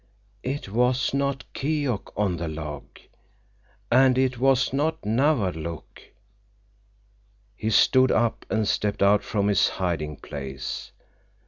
It was not Keok on the log. And it was not Nawadlook! He stood up and stepped out from his hiding place.